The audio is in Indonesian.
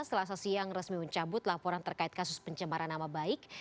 selasa siang resmi mencabut laporan terkait kasus pencemaran nama baik